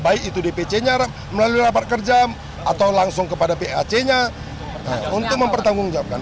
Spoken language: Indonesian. baik itu dpc nya melalui rapat kerja atau langsung kepada pac nya untuk mempertanggungjawabkan